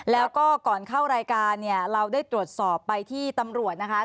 แล้วก็ก่อนเข้ารายการเนี่ยเราได้ตรวจสอบไปที่ตำรวจนะคะ